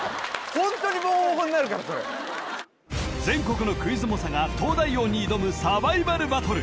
ホントにボコボコになるからそれ全国のクイズ猛者が東大王に挑むサバイバルバトル